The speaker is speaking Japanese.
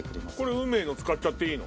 運命の使っちゃっていいの？